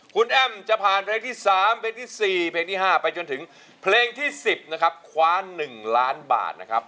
คุณแอมจะผ่านเพลงที่สามเพลงที่สี่เพลงที่ห้าไปจนถึงเพลงที่สิบนะครับคว้านหนึ่งล้านบาทนะครับ